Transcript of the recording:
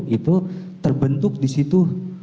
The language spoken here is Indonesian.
itu terbentuk disitu